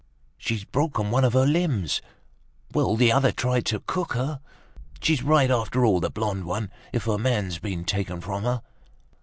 "She's broken one of her limbs!" "Well, the other tried to cook her!" "She's right, after all, the blonde one, if her man's been taken from her!"